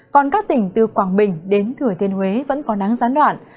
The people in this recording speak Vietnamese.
còn các tỉnh từ quảng bình đến thừa thiên huế vẫn có nắng gián đoạn